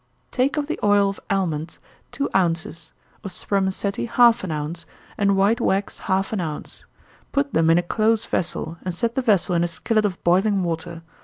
_ Take of the oil of almonds two ounces, of spermaceti half an ounce, and white wax half an ounce. Put them in a close vessel, and set the vessel in a skillet of boiling water.